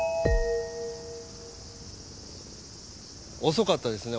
遅かったですね